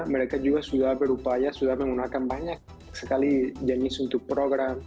mereka juga sudah berupaya sudah menggunakan banyak sekali jenis untuk program